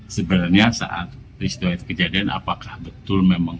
sebenarnya saat peristiwa itu kejadian apakah betul memang